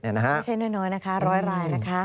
ไม่ใช่น้อยนะคะ๑๐๐รายนะคะ